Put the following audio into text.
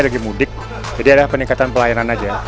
terima kasih bank indonesia